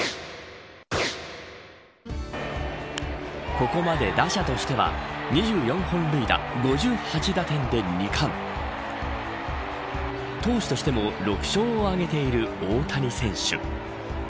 ここまで打者としては２４本塁打、５８打点で２冠投手としても６勝を挙げている大谷選手。